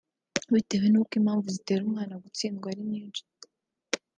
Bitewe n’uko impamvu zitera umwana gutsindwa ari nyinshi